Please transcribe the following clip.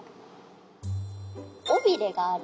おびれがある。